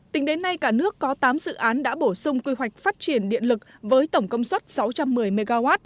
tính đến nay cả nước có tám dự án đã bổ sung quy hoạch phát triển điện lực với tổng công suất sáu trăm một mươi mw